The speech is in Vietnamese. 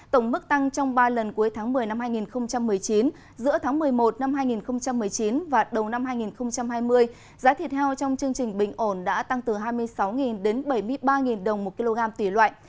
tổng mức tăng trong ba lần cuối tháng một mươi năm hai nghìn một mươi chín giữa tháng một mươi một năm hai nghìn một mươi chín và đầu năm hai nghìn hai mươi giá thịt heo trong chương trình bình ổn đã tăng từ hai mươi sáu đến bảy mươi ba đồng một kg tỷ loại